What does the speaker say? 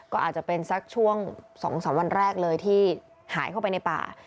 ก็อาจจะเป็นสักช่วง๒๓วันแรกเลยที่หายเข้าไปในป่า